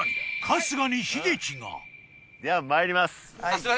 春日に悲劇がではまいります